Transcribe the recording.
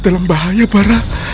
dalam bahaya barah